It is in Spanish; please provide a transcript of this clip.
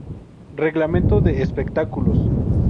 Reglamento de Espectáculos.